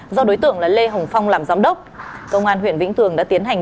do đối tượng là lê hồng phong làm giám đốc công an huyện vĩnh tường đã tiến hành